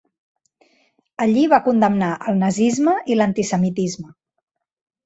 Allí va condemnar el nazisme i l'antisemitisme.